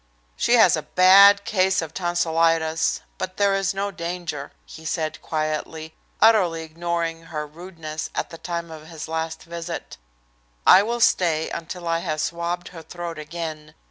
"She has a bad case of tonsilitis, but there is no danger," he said quietly, utterly ignoring her rudeness at the time of his last visit. "I will stay until I have swabbed her throat again.